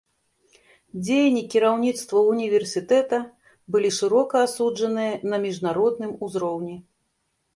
Дзеянні кіраўніцтва ўніверсітэта былі шырока асуджаныя на міжнародным узроўні.